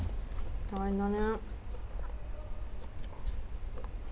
大変だね。